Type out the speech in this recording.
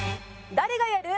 誰がやる？